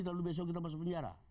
lalu besok kita masuk penjara